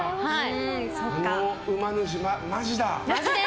このうま主、マジだ。